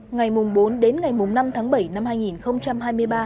ngày bốn đến ngày năm tháng bảy năm hai nghìn hai mươi ba